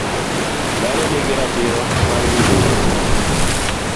Dhano nigi ratiro mar yudo weche.